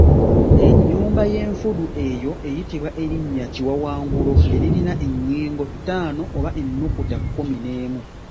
Ennyumba y’enfudu eyo eyitibwa erinnya Kiwawangulo eririna ennyingo ttaano oba ennukuta kkumi n’emu.